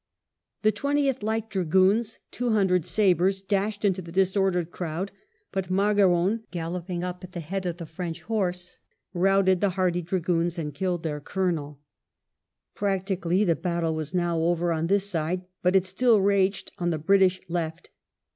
The Twentieth Light Dra goons, two hundred sabres, dashed into the disordered crowd, but Margaron, galloping up at the head of the French horse, routed the hardy Dragoons and killed their colonel. Practically, the battle was now over on this side, but it still raged on the British left.